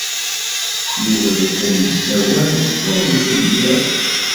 Yuba yeqqim yessawal s teɣzef n yiḍ.